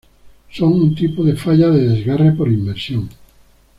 Son un tipo de falla de desgarre por inmersión.